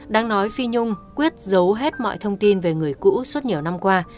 đang nói phi nhung quyết giấu hết mọi thông tin về người cũ suốt nhiều năm qua